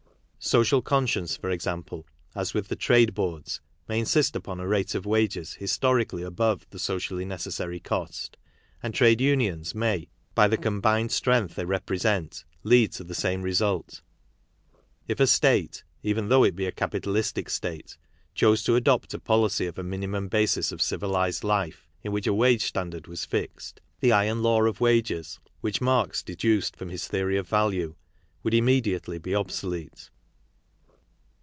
Social conscience, for example, as with the Trade Boards, may insist upon a rate of wages historically above " the socially necessary cost," and trade unions may by the combined strength they represent, lead to the same result. If a state, even though it be a capitalistic state, chose to adopt a policy of a minimum basis of civilized life, in which a wage standard was fixed, the iron law of wages, which Marx deduced from his theory of value, would immediately be obsolete.